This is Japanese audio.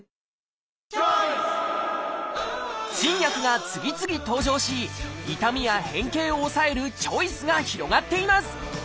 新薬が次々登場し痛みや変形を抑えるチョイスが広がっています。